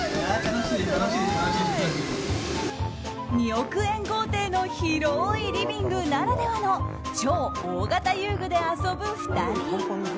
２億円豪邸の広いリビングならではの超大型遊具で遊ぶ２人。